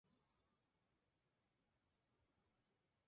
No se niega que exista la prueba para programas concretos.